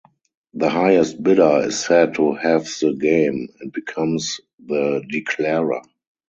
The highest bidder is said to "have the game" and becomes the declarer.